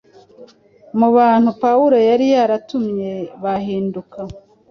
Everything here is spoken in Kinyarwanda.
Mu bantu Pawulo yari yaratumye bahinduka,